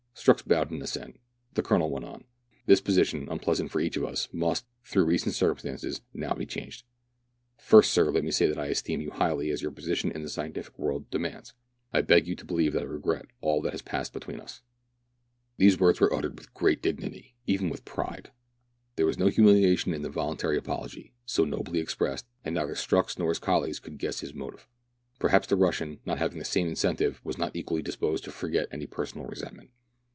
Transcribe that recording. Strux bowed in assent. The Colonel went on, —" This position, unpleasant for each of us, must, through recent circumstances, now be changed. First, sir, let me say that I esteem you highly, as your position in the scientific world demands. I beg you to believe that I regret all that has passed between us." " War is declared Ijclwccn England and Ruiisia." — [Page 133.} THREE ENGLISHMEN AND THREE RUSSIANS. 1 33 i# —■■——, These words were uttered with great dignity, even with pride. There was no humiUation in the vokintary apology, so nobly expressed, and neither Strux nor his colleague? could guess his motive. Perhaps the Russian, not having the same incentive, was not equally disposed to forget any personal resentment.